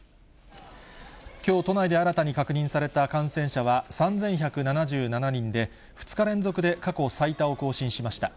きょう都内で新たに確認された感染者は、３１７７人で、２日連続で過去最多を更新しました。